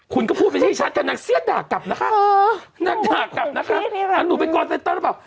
คุณก็พูดไม่ชัดแต่นักเสียอาฆาตด่ากลับนะฮะนะฮะหนูเป็นกลอนเซตเตอร์หรอบะ